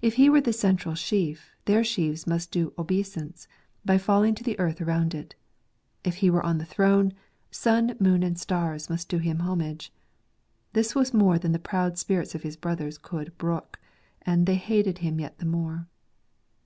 If he were the central sheaf, their sheaves must do obeisance, by falling to the earth around it. If he were on the throne, sun, moon, and stars must do him homage. This was more than the proud spirits of his brethren could brook, and " they hated him yet the more."